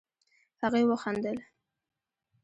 هغې وخندل.